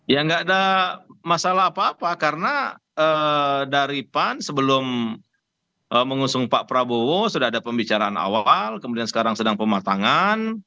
ya nggak ada masalah apa apa karena dari pan sebelum mengusung pak prabowo sudah ada pembicaraan awal kemudian sekarang sedang pematangan